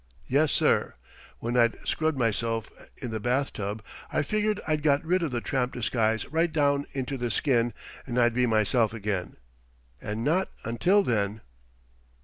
Yes, sir. When I'd scrubbed myself in the bathtub I figured I'd got rid of the tramp disguise right down into the skin, and I'd be myself again and not until then."